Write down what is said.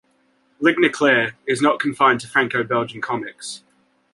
"Ligne claire" is not confined to Franco-Belgian comics.